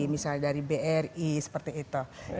misalnya dari bri seperti itu